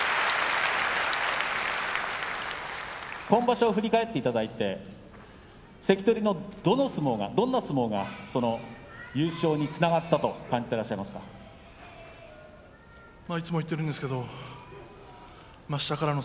今場所を振り返っていただいて関取のどんな相撲が優勝につながったと感じてらっしゃいますか。